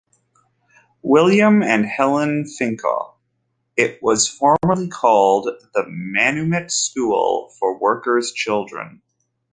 William and Helen Fincke, it was formally called The Manumit School for Workers' Children.